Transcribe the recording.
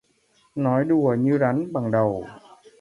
Nói đùa như rắn bằng đầu